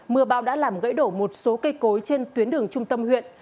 mưa bão đã làm gãy đổ một số cây cối trên tuyến đường trung tâm huyện